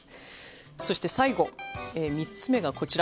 そして最後、３つ目がこちら。